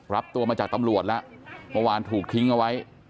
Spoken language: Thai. รับตัวมาจากตำรวจแล้วเมื่อวานถูกทิ้งเอาไว้